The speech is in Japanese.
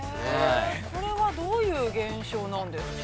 ◆これはどういう現象なんですか？